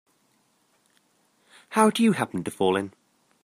How'd you happen to fall in?